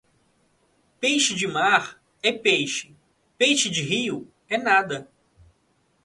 Peixe de mar é peixe, peixe de rio é nada.